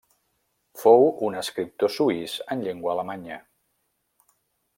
Fou un escriptor suís en llengua alemanya.